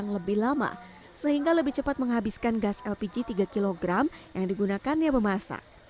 yang lebih lama sehingga lebih cepat menghabiskan gas lpg tiga kg yang digunakannya memasak